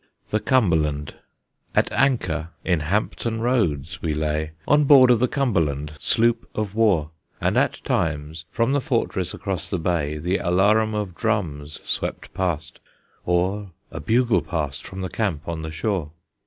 THE CUMBERLAND. At anchor in Hampton Roads we lay, On board of the Cumberland, sloop of war; And at times from the fortress across the bay The alarum of drums swept past, Or a bugle blast From the camp on the shore.